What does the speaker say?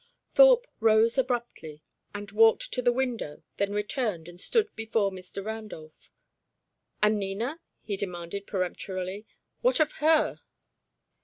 Thorpe rose abruptly and walked to the window, then returned, and stood before Mr. Randolph. "And Nina?" he demanded, peremptorily. "What of her?"